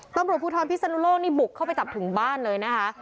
ต้องบอกผู้ทอดพี่สนุโลกนี่บุกเข้าไปจับถึงบ้านเลยนะคะ